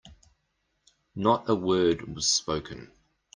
Not a word was spoken.